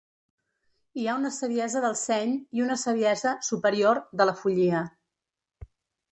Hi ha una saviesa del seny i una saviesa, superior, de la follia.